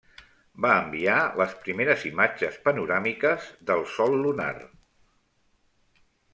Va enviar les primeres imatges panoràmiques del sòl lunar.